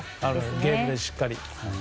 ゲームで、しっかり。